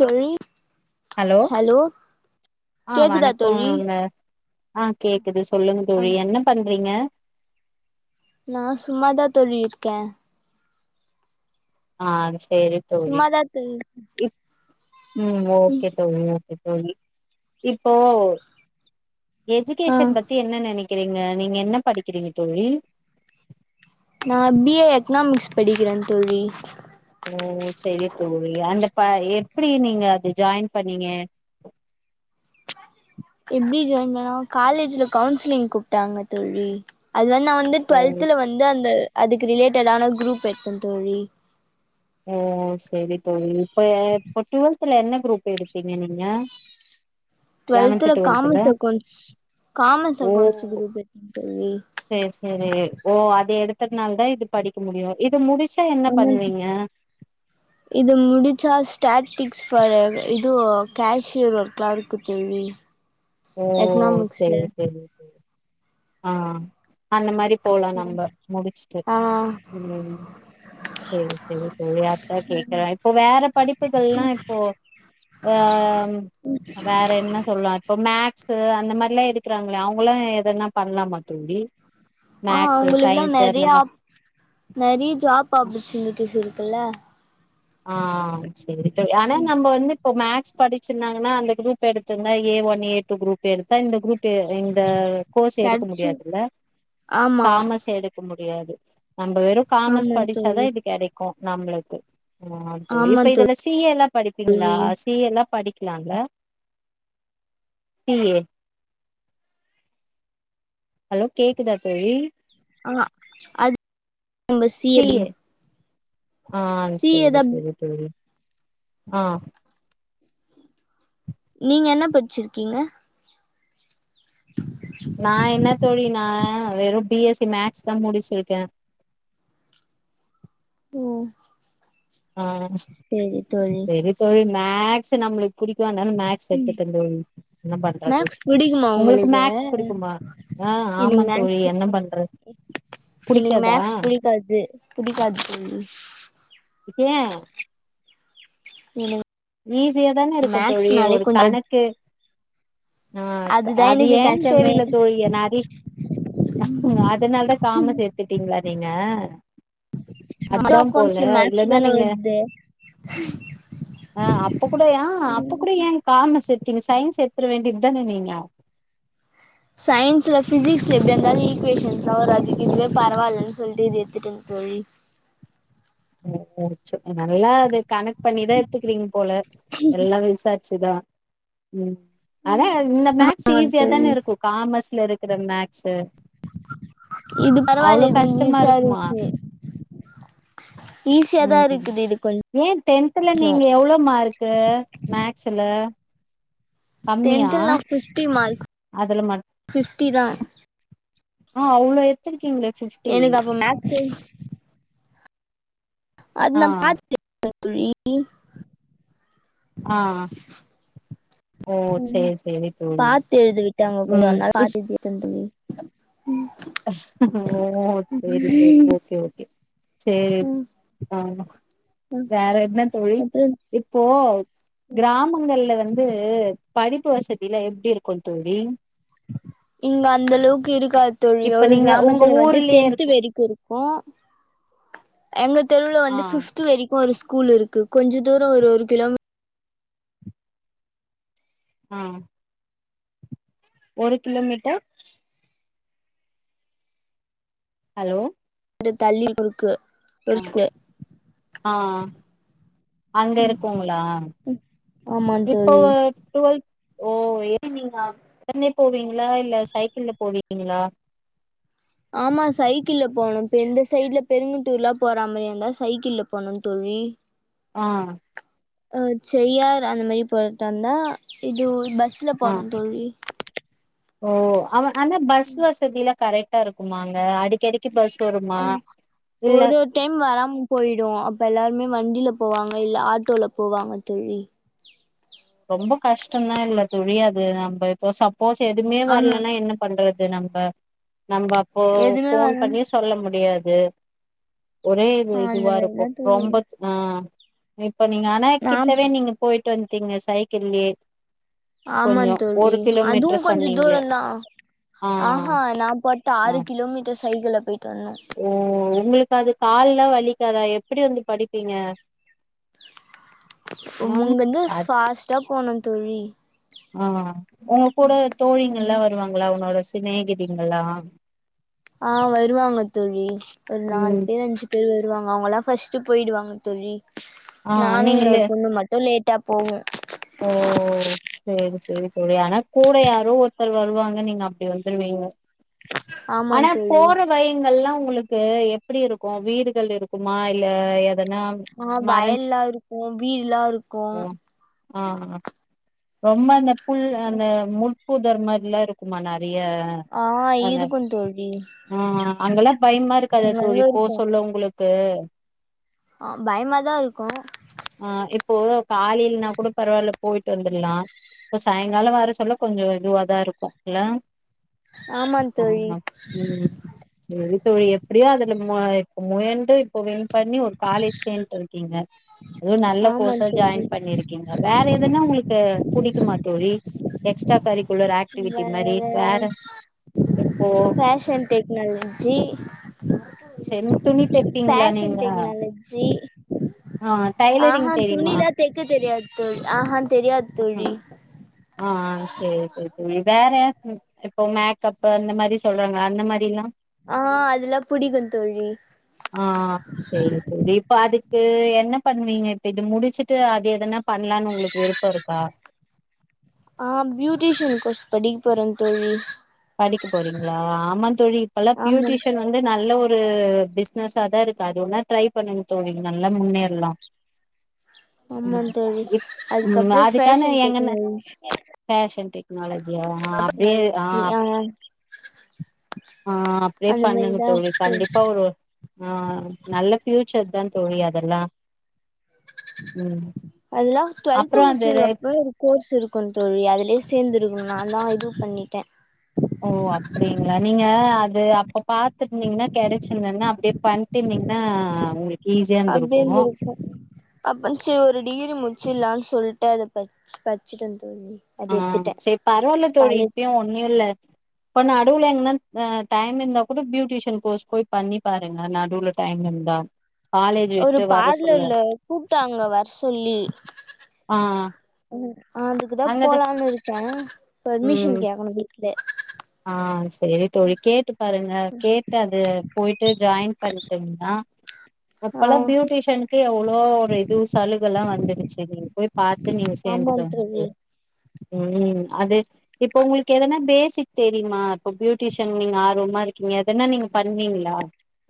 தோழி ஹலோ ஆ கேக்குதா தோழி வணக்கோங்க ஆ கேக்குது சொல்லுங்க அ தோழி என்ன பண்றீங்க நா சும்மாதா தோழி இருக்கே ஆ சேரி தோழி சும்மாதா தோழி ப் ம் ஓகே தோழி தோழி இப்போ ஆ எஜிகேசன் பத்தி என்ன நெனைக் க்கிறீங்க நீங்க என்ன படிக்கிறீங்க தோழி நா பீஏ எக்னாமிக்ஸ் படிக்கிறே தோழி ஓ சரி தோழி அந்த ப எப்பிடி நீங்க அது ஜாயின் பண்ணீங்க எப்பிடி ஜாயின்பண்ணோ காலேஜ்ல கவுன்சிலிங் கூப்புட்டாங்க தோழி அது வந்து நா வந்து ஓ டுவெல்த்தில வந்து அந்த அதுக்கு ரிலேட்டடான குரூப் எடுத்த தோழி ஓ சேரி தோழி இப்ப இப்ப டுவெல்தல என்ன குரூப் எடுத்தீங்க நீங்க லெவன்த் டு்வெல்தல டுவெல்த்ல காமர்ஸ் அக்கௌண்ட்ஸ் காமர்ஸ் ஓ அக்கௌண்ட்ஸ் குரூப் எடுத்த தோழி சேரி சேரி ஓ அது எடுத்ததுனால தா இது படிக்க முடியு இது முடிச் ட்டா என்ன ஆமா பண்ணுவீங்க இது முடிச்சா ஸ்டாட்டிக்ஸ் பர் இதோ கேஷியர் ஒர்க்கிளா இருக்கு தோழி ஓ எக்கனாமிக்ஸ்ல சேரி சேரி தோழி ஆ அந்த மாரி போலா நம்ம முடிச்சுட்டு ஆ ம் சேரி சேரி தோழி அதா கேக்குற இப்போ வேற படிப்புகலா இப்போ அ வேற என்ன சொல்லா க்ஸ்க்கு அந்த மாரில்லா எடுக்கறாங்களே அவங்களா எதனா பண்ணலாமா தோழி ஆ மேக்ஸு அவங்களுக்குல்லா சயின்ஸு அந்த நெறைய மா ஆப் நெறைய ஜாப் ஆப்பர்ச்சுனிட்டிஸ் இருக்குல்ல ஆ சேரி தோழி ஆனா நம்ம வந்து இப்ப மேக்ஸ் படிச்சிருந்தாங்கன்னா அந்த குரூப் எடுத்திருந்தா A one A two group எடுத்தா இந்த குரூப் பே இந்த கோர்ஸ் எடுக்க கெடச்சு முடியாதுல்ல ஆமா காமர்ஸ் எடுக்க முடி தெயாது நம்ம வெறு காமர்ஸ் ஆமா படிச்சாதா தோழி இது கெடைக்கு நம்மளுக்கு அ தோழி ஆமா இப்ப இதுல சிஏ எல்லா படிப்பீங்களா தோழி சிஏ எல்லா படி கிலாங்கில பிஏ ஹலோ கேக்குதா தோழி ஆஹ் அது ஒங்க சி ஏ டி ஆ சி ஏ சரி தா சரி தோழி ஆ நீங்க என்னா படிச்சிருக்கீங்க நா என்னா தோழினா வெறு பி எஸ்சி மேக்ஸ் தா முடிச்சிருக்கே உம் ஆ செரி தோழி நா ஸ் நம்மளுக்கு புறி -னால மேக்ஸ் எடுத்து தந்த என்ன பண்றது மேக்ஸ் புடிக்குமா உங்களுக்கு மேக்ஸ் பிடிக்குமா ஆ எனக்கு ஆமான் தோழி மேக்ஸ் என்ன பண்றது புடிக்காதா பிடிக்காது தோழி ஏ இல்ல ஈஸியா தானே இருக்கு தோழி ஒரு கொஞ்ச கணக்கு ஆ அதுதா அது எனக்கு ஏன் கஷ்டமே தெரியல தோழி நெறய அதனால தா காமஸ் சேத்துட்டீங்களா நீங்க அதா அக்காக்கு போல கொஞ்சோ மேக்ஸ் இல்லன்னா தான நீங்க வருது ஆ அப்ப கூட ஏ அப்ப கூட ஏ காமர்ஸ் எடுத்தீங்க சயின்ஸ் எத்துட வேண்டியது தானே நீங்க சயின்ஸ்ல பிசிக்ஸ்ல எப்டியா இருந்தாலும் ஈக்வேஷன்ஸ் எல்லாம் வரும் அதுக் இதுவே பரவாயில்ன்னு சொல்லிட்டு இது எத்துட்டுடேன் தோழி நல்லா அது கனெக்ட் பண்ணிதா எடுத்துக்கறீங்க போல எல்லாம் விசாரிச்சுதா உம் அத இந்த மேக்ஸ் ஆமா ஈஸியா தான தோழி இருக்கு காமர்ஸ்ல இருக்கு கிற மேக் இது அவ்ளோ பரவாயில்ல இது கொஞ்சோ கஷ்டமா ஈசியா இருக்கு ஈஸியா தா உம் இருக்குது இது ஏ டென்த்துல கொஞ்சோ நீங்க எவ்ளோ மார்க்கு மேக்ஸ்ல ஆ டென்த்ல நா ஃபிப்டி மார்க் அதுல மட் ஃபிப்டி தா ஆ அவ்ளோ எடுத்துருக்கீங்களே எனக்கு அப்ப மேக்ஸ்ஸு [inaudible] அது ஆ நா பாத்து [unintelligible] ஆ ஓ சேரி சேரி தோழி பாத்து எழுத விட்டாங்க கொஞ்சோ ம் அதனால ப் பாத்து எழுதிட்டே தோழி க்கு ஓ சேரி சேரி ஓகே ஓகே சேரி ம் ஆ ம் வேற என்ன தோழி அப்றோ இப்போ கிராமங்கள்ல வந்து ஆ படிப்பு வசதியில எப்பிடி இருக்கு தோழி இங்க அந்தளவுக் கு இருக்கா தோழி இப்ப ஒரு நீங்க உங்க கிராமத்துல வந்து ஊர்லயே டென்த் இருக்கு வரைக்கு இருக்கு எங்க தெருவில ஆ வந்து பிஃப்த்து வெரிக்கு ஒரு ஸ் கூல் இருக்கு கொஞ்ச தூரொ ஒரு ஒரு கிலோ மீ ஆ ஒரு கிலோமீட்டர் ஹலோ [unintelligible] தள்ளி இருக்கு ஒரு ஸ்கூல் ஆ அங்க இருக்குங்களா ஆமாந் இப்போ தோழி டுவேத் ஓ எ நீங்க உடனே போவீங்களா இல்ல சைக்கிள்ல போவீீங்களா ஆமா சைக்கிள போணு பெந்த சைட்ல பெருங்கட்டூர்ல்லா போறமேருந்தா சைக்கிள் போணு தோழி ஆ ஆ செய்யார் அந்த மாரி போய்டாதா இது ஒ பஸ் ஸ்ல ஆ போனு தோழி ஓ அவ ஆன பஸ் வசதிலா கரெக்ட் டா இருக்குமாங்க அடிக்கடிக்கு பஸ் வருமா ஆ இல்ல ஒரு டைம் வராம போயிடு அப்ப எல்லாருமே வண்டியில போவாங்க இல்ல ஆட்டோல போவாங்க தோழி ரொம்ப கஷ்டம்தா இல்ல தோழி அது நம்ம இப்போ சப் ப்போஸ் எதுவுமே ஆமா வரலன்னா என்ன பண்றது து நம்ப நம்ம அப்போ எதுமே ஃபோன் வர பண்ணி சொல்ல முடியா ஏ ஒரே இ ஆ அந்த இதுவா இருக்கு மாரிதா தோழி ரொம்ப ஆ மே போனீங்க ஆனா நா கிட்டவே நீங்க போயிட்டு வந்து திங்கஸ் சைக்கில்லே ஆமந்தோழி அதுவு கொஞ்ச சொன்னீங்களே தூரதா ஆ ஆஹா நாற்பத் ஆ ஆறு கிலோமீட்டர்ஸ் சைக்ள்ல போயிட் ஓ உங்களுக் காது கால்ல்லா வலிக்காதா எப்டி வந்து படிப்பீங்க உங்க வந்து ம் ஃபாஸ்ட்டா போணு தோழி ஆ உங்க கூட தோழிங்கல்லா ம் வருவாங்களா உன்னோட. சேத் சினேகிதிங்களா ஆ வருவாங்க தோழி ஒரு நாலு ம் பேர் அஞ்சு பேர் வருவாங்க அவுங்களா ஃபஸ்டு போயிடுவாங்க தோழி ஆ நானு நீங்களே இன்னொரு பொண்ணு மட்டு லேட் கிட்ட போவும் ஓ சேரி சேரி சேரி ஆனா கூட யாரோ ஒருத்தர் வருவாங்க நீங்க அப்டி வந்துருவீங்க ஆமா ஆனா தோழி போற வழிங்கள்ல்லா உங்களுக் க்கு எப்டி இருக்கும் வீடுகள் இருக்குமா இல்ல எ ஆ வயல்லா இருக்கு வீடுல்லா இருக்கு ஓ! ஆ அப் ரொம்ப அந்தப் புல் அந்த முட் பூதர் மாரில்லா இருக்குமா நா அப்டியா ஆ அத இருக்கு தோழி ஆ அங்கல்லா பயமா இருக்கதா அங்கங்க தோழி போ இருக்கு சொல்ல உங்களுக் க்கு ஆ பயமாதா இருக்கு போன ப் காலைலனா கூட பரவால்ல போயிட்டு வர ல்லா இப்ப சாய்கால வர சொல்ல கொஞ்ச இதுவதா இருக்கு இல்ல ஆமா தோழி ஆமா உம் சேரி தோழி எப்டியே அதுல இப்ப முயன்று இப்ப வேனு பண்ணி ஒரு காலேஜ் சேர்ந்துட்டு இருக்கீங்க அதுவும் நல்ல ஆமா கோர்ஸா தோழி ஜாயின் பண்ணிருக்கீங்க வேற எதுனா உங்களுக் த புடிக்க மா தோழி எக்ஸ்டா கரி வேற இப்போ பேஷன் டெக்னாலஜி சென் துணி தைப்பிங்களா ஃபேஷன் நீங்க டெக்னாலஜி ஆஹ் டைலரிங் தெரியுமா ம் சார் ஆஹ ஆஹ் சேரி சேரி சேரி வேற இப்போ மேக்கப் அந்த மாரி சொல்றாங்க அந்த மாரியா ஆ அதெல்லா புடிக்கு தோழி ஆஹ் சேரி சேரி இப்ப அதுக் என்ன பண்ணுவீங்க இப்ப இது முடிச்சுட்டு அது எதன பண்லான்னு உங்களுக் இப்ப இருக்கா ஆஹ பியூட்டிஷன் கோர்ஸ் படிக்க போறேன் தோழி படிக்க போறீங்களா ஆமா தோழி இப்பெல்லா ஆமா பியூட்டிஷன் வந்து நல்ல ஒரு ஒரு பிசினஸ் சத இருகாது ஒன்னா ட்ரை பண்ணுனும் தோனிங்க நல்லா முன்னேறலாம் ஆமா தோழி உம் அதுக்கப்றோ அதுக்கான ஃபேஷன் எங்கன்ன டெக்னாலஜி ஃபேஷன் டெக்னாலஜியா ஹ் அப்டியே டெக்னாலஜி ஆஹ் ஆ ஆஹ் அப்டியே அந்த பண்ணுனும் மாரிதா தோழி கண்டிப்பா ஒரு ஆஹ் நல்ல சே மிச்சதான் தோழி அதெல்லாம் அதெலா டுவல்த் அப்புறம் அது முடிச்சதுக்கப்றம் ஒரு கோர்ஸ் இருக்கு தோலி அதுலே சேர்ந்து நான் தான் இது பண்ணிட்டேன் ஓ அப்படிங்களா நீங்க அது இது அப்ப பாத்தீர்ங்கனா கெடச்ர்கன்னா அப்டியே பண்னுதீங்கன்னா உங்களுக் அப்டியே இருந்துருக்கும் அப்பங் சோறு டிகிரி முடிச்சிரலானு சொல்லிட்டு அத பச் பச்சுட்டு வந் ஆ சேர் பரவாயில்ல தோழி காலேஜ் இப்பயும் ஒன்னு இல்ல இப்ப நடுவுல என்னா டைம் இருந்தா கூட பியூட்டிஷன் கோஸ் போய் பண்ணி பாருங்க நடுவுல டைம் இருந்தா காலேஜ் ஒரு விட்டு வர சொல்ல பார்லர்ல கூப்ட்டாங்க வர சொல்லி ஆ [inaudible] அதுக்குதான் அங்கத போலான்னு இருக்கேன் பெர்மிஷன் ம் கேட்கணும் வீ ஆ செரி தோழி கேட்டு பாருங்க கேட்டு அது போயிட்டு ஜாயின் பண்ணிட்டீங்கன்னா ஆ அப்பல்லாம் பியூட்டிஷனுக்கு எவ்வளோ ஒரு இது சலுக எல்லாம் வந்துரு செரி நீங்க போய் பாத்து நீங்க ஆமா சேந்துக்கங்க தோழி அதுல ம் அது இப்ப உங்களுக்கு எதனா பேஷிக் தெரியுமா இப்போ பியூட்டிஷன் நீங்க ஆர்வமா இருக்கீங்க எதனா நீங்க பண்ணுவீங்களா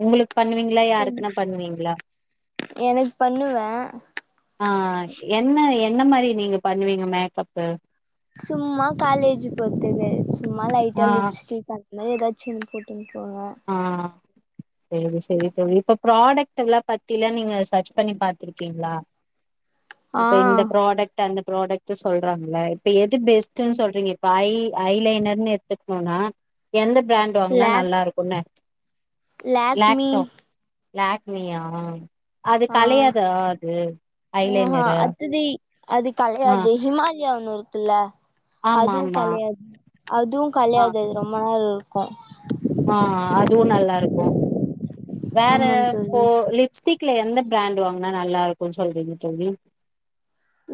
உங்களுக் பண்ணுவீங்களா யாருக்குனா பண்ணுவீங்களா எனக்கு பண்ணுவே ஆ என்ன என் என்ன மாரி நீங்க பண்ணுவீங்க மேக்கப்பு சும்மா காலேஜ் பொறுத்தது சும்மா லைட்டா ஆ லிப்ஸ்டிக் அ என்னா ஏதாச்சும் போட்டு போவேன் ஆ சேரி சேரி தோழி இப்ப ப்ராடக்ட்ல்லாம் பத்திலாம் நீங்க சர்ச் பண்ணி பாத்துருக்கீங்களா இப்ப இந்த ஆ ப்ராடக்ட் அந்த ப்ராடக்ட் சொல்றாங்கள இப்ப எது பெஸ்ட்னு சொல்றீங்க இப்ப ஐ ஐ லைனர் எடுத் போனா எந்த பிராண்ட் வாங்கனா லாக் நல்லாருக் ஆ லாக்மி லாக்மியா அது ஆ கலையாதா அது ஐ ஆஹா லைனர்ரு அத்தது அது கலையாது ஹிமால் லியா ஒண்ணு இருக்குல்ல ஆமா அதுவு ஆமா களையாது அதுவு ஆ களையாது அது ரொம்ப நாள் கோம் ஆ அதுவு நல்லாருக்கோ வேற ஆமா தோழி போ லிப்ஸ்டிக் டுல எந்த பிராண்ட் வாங்னா நல்லா இருக்குன் சொல்றீங்க தோழி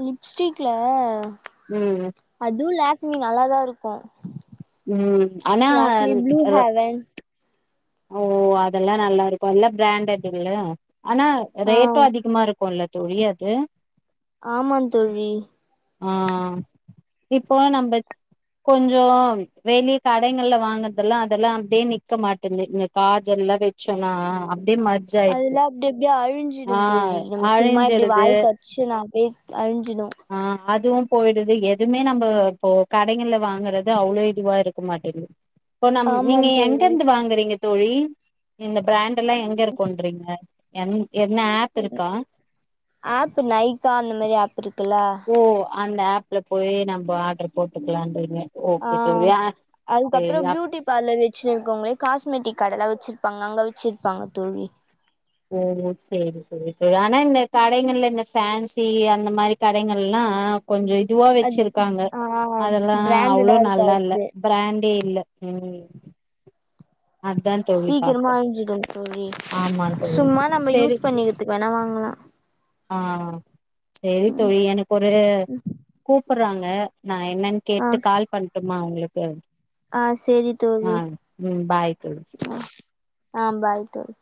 லிப்ஸ்டிக்ல ம் அதுவு லாக் ம் நல்லா தாருக்கும் ம் ஆனா ப்ளூ அ ஹேவன் ஓ அதெல்லா நல்லாருக்கும் எல்லா பிராண்டட் இல்ல ஆனா ஆ ரேட்டு அதிகமா இருக்குன்ல தெரியாத்து ஆமாந் தோழி ஆ இப்போ நம்ப கொஞ் சோம் வெளிய கடைங்கள்ல வாங்கறதெல்லா அதெல்லா அப்பிடியே நிக்க மாட்டேங்கு இங்க காஜல்லாம் வச்சோனா அதுல்லா அப்டி அப்டியே ஆ அழிஞ்சிடும் தோழி நம்ம சும்மா இப்டி அழிஞ்சிடுது வாய் தெடச்சு நா அப்டியே அழிஞ்சிடும் ஆ அதுவு போய்டுது எதுமே நம்ப இப்போ கடைகள்ல வாங்குறது அவ்ளோ இதுவா இருக்க மாட்டிங்குது போ நம் ஆமா நீங்க எங்க தோழி இருந்து வாங்குறீங்க தோழி இந்த பிராண்ட்டு எல்லா எங்கருக்குன்றீங்க யங் ஆப் நைகா அந்த மாரி ஆப் இருக்குல்ல ஓ அ அந்த ஆப்ல போய் நம்ம ஆடுரு போட்டு கிலான்ரிங்க ஆ அதுக்கப்புற பியூட்டி பார்லர் வச்சிருக்கோங்க காஸ்மெட்டிக் கடெலாம் வச்சிருக் பாங்க அங்க வச்சிருப்பாங்க தோழி ஓ சேரி சேரி ஆனா இந்த கடைங்கள்ல இந்த ஃபேன்சி அந்த மாரி கடைங்கள்லா கொஞ்ச இதுவா அது வச்சிருக்காங்க ஆ அதெல்லா பிராண்டடா அவ்ளோ நல்லா இல்ல இருக்காது பிராண்டே இல்ல ம் அதா தோழி சீக்கிரமா பாக்குறே அயிஞ்சிடும் தோழி ஆமா தோழி சும்மா நம்ம சேரி யூஸ் பண்ணிக்கிறதுக்கு வேணா வாங்கலா ஆ செரி ம் தோழி எனக்கு ஒரு கூ ப்டறாங்க நான் என்னன்னு கேட்டு கால் பண்டு ஆமா உங்களுக்கு ஆஹ் செரி ஆ தோழி ம் பாய் தோழி ஆஹ் பாய் தோழி